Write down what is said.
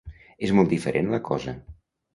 És molt diferent la cosa.